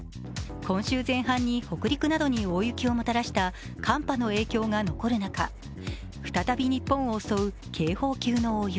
今週前半に北陸などに大雪をもたらした寒波の影響が残る中、再び日本を襲う警報級の大雪。